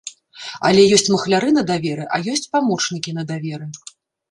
Але ёсць махляры на даверы, а ёсць памочнікі на даверы.